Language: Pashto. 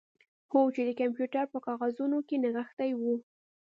هو چې د کمپیوټر په کاغذونو کې نغښتې وه